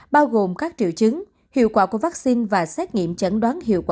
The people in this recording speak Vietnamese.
bao gồm các triệu chứng hiệu quả của vaccine và xét nghiệm chẩn đoán hiệu quả